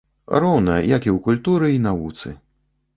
Роўна, як і ў культуры й навуцы.